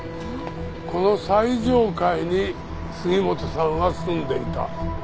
この最上階に杉本さんは住んでいた。